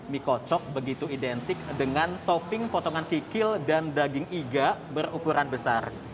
mie kocok begitu identik dengan topping potongan kikil dan daging iga berukuran besar